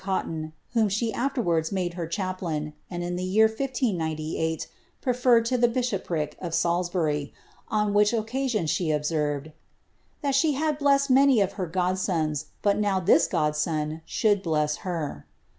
171 Cotton, whom she afterwards made her chaplain, and, in the year 1 508, pnferred to the bishopric of Salisbury, on which occasion she observed, '^that she had blessed many of her godsons, but now this godson should Uess her.